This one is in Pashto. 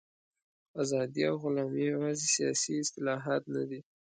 ازادي او غلامي یوازې سیاسي اصطلاحات نه دي.